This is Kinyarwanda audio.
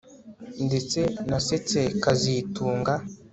Ndetse nasetse kazitunga